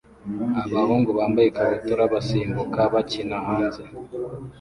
Abahungu bambaye ikabutura basimbuka bakina hanze